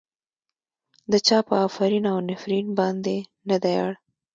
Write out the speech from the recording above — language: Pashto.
د چا په افرین او نفرين باندې نه دی اړ.